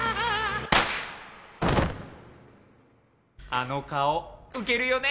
あの顔ウケるよね